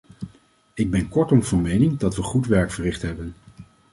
Ik ben kortom van mening dat we goed werk verricht hebben.